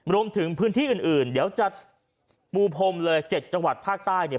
รวมถึงพื้นที่อื่นเดี๋ยวจะปูพรมเลย๗จังหวัดภาคใต้เนี่ย